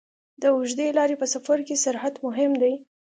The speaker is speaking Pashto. د اوږدې لارې په سفر کې سرعت مهم دی.